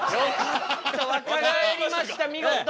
若返りました見事。